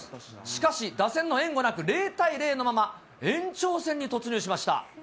しかし、打線の援護なく、０対０のまま、延長戦に突入しました。